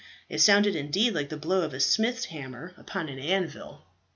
It sounded indeed like the blow of a smith's hammer upon an anvil."